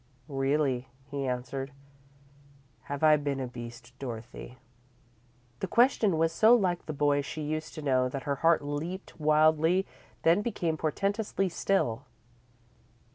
"Really," he answered. "Have I been a beast, Dorothy?" The question was so like the boy she used to know that her heart leaped wildly, then became portentously still.